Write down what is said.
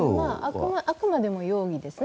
あくまでも容疑ですね。